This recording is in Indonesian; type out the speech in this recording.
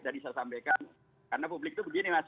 karena publik tuh begini mas